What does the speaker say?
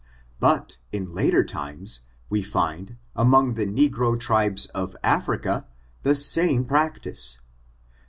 But, in later times, we find, among the negro tribes of Africa, the same practice.